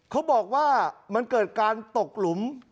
เขาบอกว่ามันเกิดการตกหลุม